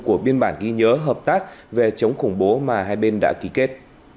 của biên bản ghi nhớ hợp tác về chống khủng bố mà hai bên đã ký kết